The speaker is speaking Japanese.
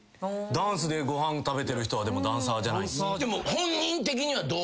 ダンスでご飯食べてる人はでも「ダンサー」じゃないっすか？